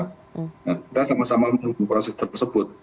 kita sama sama menunggu proses tersebut